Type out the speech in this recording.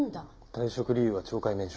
退職理由は懲戒免職。